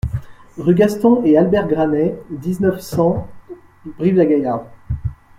Rue Gaston et Albert Granet, dix-neuf, cent Brive-la-Gaillarde